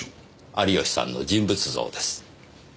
有吉さんの人物像です。